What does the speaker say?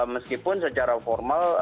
meskipun secara formal